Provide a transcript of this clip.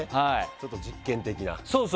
ちょっと実験的な。